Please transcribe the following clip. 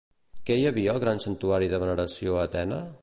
Què hi havia al gran santuari de veneració a Atena?